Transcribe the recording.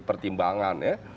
itu pertimbangan ya